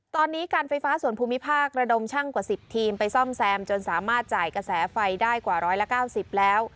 ตอนนี้การไฟฟ้าส่วนภูมิภาคระดมช่างกว่า๑๐ทีมไปซ่อมแซมจนสามารถจ่ายกระแสไฟได้กว่า๑๙๐แล้ว